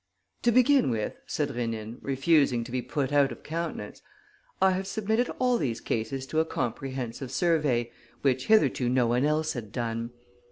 "To begin with," said Rénine, refusing to be put out of countenance, "I have submitted all these cases to a comprehensive survey, which hitherto no one else had done.